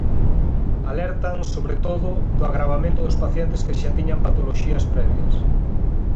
Alertan, sobre todo, do agravamento dos pacientes que xa tiñan patoloxías previas.